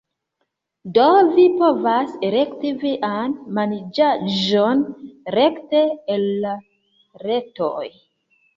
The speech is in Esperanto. Do, vi povas elekti vian manĝaĵon rekte el la retoj